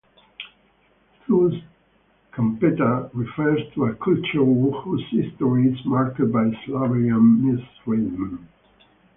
Thus "champeta" refers to a culture whose history is marked by slavery and mistreatment.